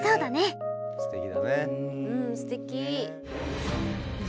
うんすてき。